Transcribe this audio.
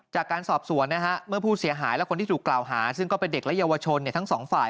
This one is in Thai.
จากการสอบสวนนะฮะเมื่อผู้เสียหายและคนที่ถูกกล่าวหาซึ่งก็เป็นเด็กและเยาวชนทั้งสองฝ่าย